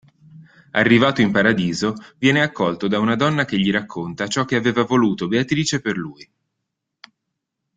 Arrivato in Paradiso viene accolto da una donna che gli racconta ciò che aveva voluto Beatrice per lui.